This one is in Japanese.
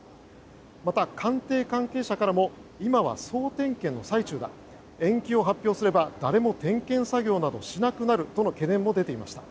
また、官邸関係者からも今は総点検の最中だ延期を発表すれば誰も点検作業などしなくなるとの懸念も出ていました。